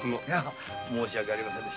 申し訳ありませんです。